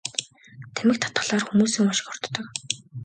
Тамхи татахлаар хүмүүсийн уушиг хордог.